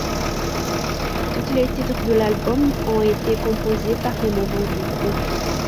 Toutes les titres de l'album ont été composés par les membres du groupe.